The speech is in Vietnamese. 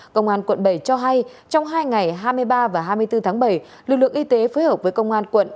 công an quận bảy cho hay trong hai ngày hai mươi ba và hai mươi bốn tháng bảy lực lượng y tế phối hợp với công an quận